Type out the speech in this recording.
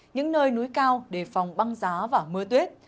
những nơi núi cao đề phòng băng giá và mưa tuyết